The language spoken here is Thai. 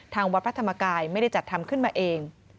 ทางวัดพระธรรมกายไม่ได้จัดทำขึ้นมาเอง